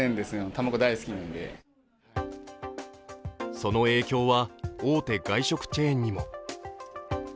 その影響は、大手外食チェーンにも。